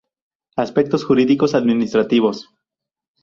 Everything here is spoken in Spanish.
Aspectos jurídicos administrativos.